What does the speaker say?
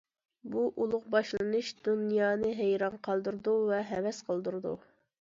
بۇ ئۇلۇغ باشلىنىش دۇنيانى ھەيران قالدۇرىدۇ ۋە ھەۋەس قىلدۇرىدۇ.